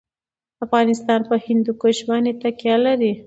افغانستان په هندوکش باندې تکیه لري.